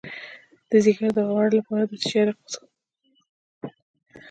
د ځیګر د غوړ لپاره د څه شي عرق وڅښم؟